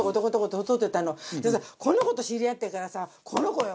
でもさこの子と知り合ってからさこの子よ！